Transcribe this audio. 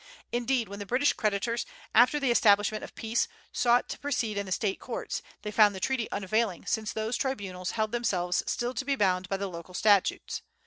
Indeed, when the British creditors, after the establishment of peace, sought to proceed in the State courts, they found the treaty unavailing, since those tribunals held themselves still to be bound by the local statutes.